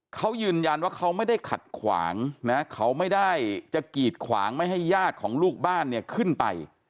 เขายืนยันว่าเขาไม่ได้ขัดขวางนะเขาไม่ได้จะกีดขวางไม่ให้ญาติของลูกบ้านเนี่ยขึ้นไป